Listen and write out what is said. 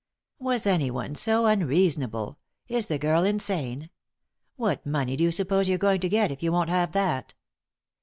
" Was anyone so unreasonable ? Is the girl in sane ? What money do you suppose you're going to get, if you won't have that